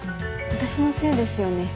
私のせいですよね。